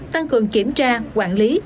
tăng cường kiểm tra quản lý